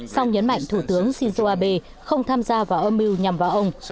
song nhấn mạnh thủ tướng shinzo abe không tham gia vào âm mưu nhằm vào ông